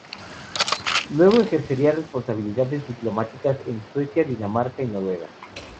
Luego ejercería responsabilidades diplomáticas en Suecia, Dinamarca y Noruega.